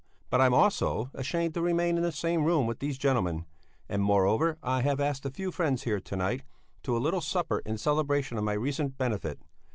"But I am also ashamed to remain in the same room with these gentlemen, and, moreover, I have asked a few friends here, to night, to a little supper in celebration of my recent benefit.